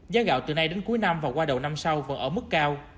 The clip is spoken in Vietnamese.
giá gạo từ nay đến cuối năm và qua đầu năm sau vẫn ở mức cao